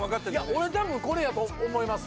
俺たぶんこれやと思います。